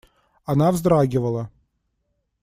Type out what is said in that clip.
Она вздрагивала.